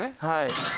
はい。